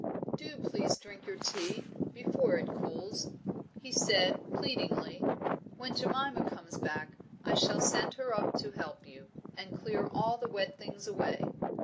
"Do please drink your tea, before it cools," he said, pleadingly. "When Jemima comes back, I shall send her up to help you, and clear all the wet things away."